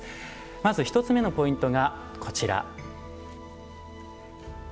まず１つ目のポイントがこちら。